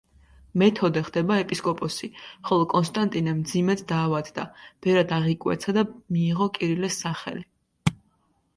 მეთოდე ხდება ეპისკოპოსი, ხოლო კონსტანტინე მძიმედ დაავადდა, ბერად აღიკვეცა, და მიიღო კირილეს სახელი.